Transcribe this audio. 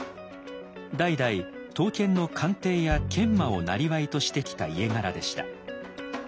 代々刀剣の鑑定や研磨をなりわいとしてきた家柄でした。